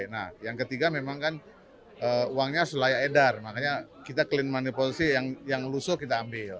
nah yang ketiga memang kan uangnya sulaya edar makanya kita clean manipulation yang lusuh kita ambil